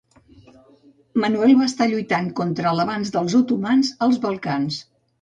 Manuel va estar lluitant contra l'avanç dels otomans als Balcans.